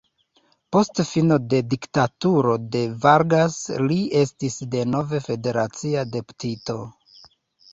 Post fino de diktaturo de Vargas li estis denove federacia deputito.